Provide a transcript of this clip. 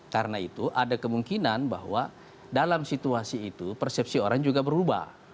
karena itu ada kemungkinan bahwa dalam situasi itu persepsi orang juga berubah